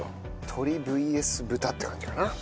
鶏ＶＳ豚って感じかな？